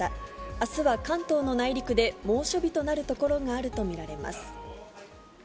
あすは関東の内陸で猛暑日となる所があると見られます。